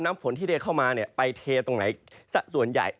น้ำฝนที่ได้เข้ามาไปเทตรงไหนส่วนใหญ่